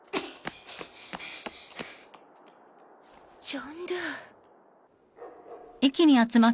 ジョンドゥー。